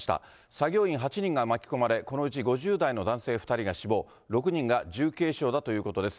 作業員８人が巻き込まれ、このうち５０代の男性２人が死亡、６人が重軽傷だということです。